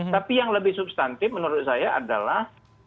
tapi yang lebih substantif menurut saya adalah